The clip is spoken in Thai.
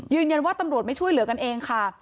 ยืนยันว่าตำรวจไม่ช่วยเหลือกันเองค่ะ